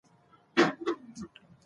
هغه وویل چې اضطراب په ټولنه اغېز کوي.